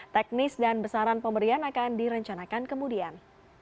teknis dan besaran pemberian akan direncanakan kemudian